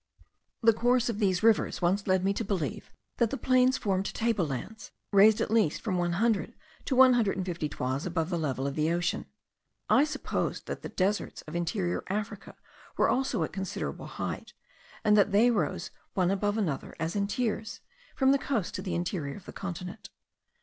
The course of these rivers once led me to believe, that the plains formed table lands, raised at least from one hundred to one hundred and fifty toises above the level of the ocean. I supposed that the deserts of interior Africa were also at a considerable height; and that they rose one above another as in tiers, from the coast to the interior of the continent.